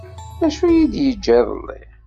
D acu i yi-d-yeǧǧa iḍelli.